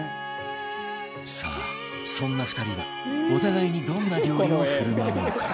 さあそんな２人がお互いにどんな料理を振る舞うのか？